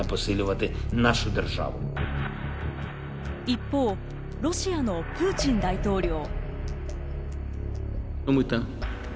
一方、ロシアのプーチン大統領。